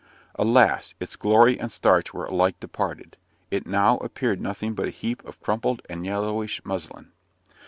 Alas! its glory and starch were alike departed; it now appeared nothing but a heap of crumpled and yellowish muslin.